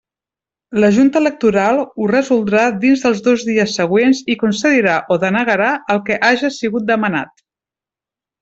La Junta Electoral ho resoldrà dins dels dos dies següents i concedirà o denegarà el que haja sigut demanat.